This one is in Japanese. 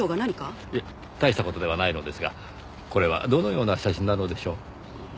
いえ大した事ではないのですがこれはどのような写真なのでしょう？